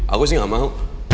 aku sih gak mau